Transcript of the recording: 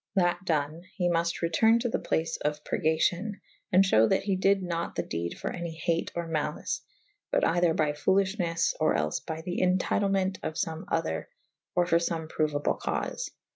That done / he muft retourne to the place of purga cion/and fhewe that he dyd nat the dede for any hate or malyce / but either by folyff hness / or els by the entifement [E vi a] of fome other / or for fome prouable caufe.